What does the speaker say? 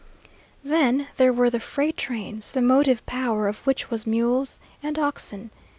Then there were the freight trains, the motive power of which was mules and oxen.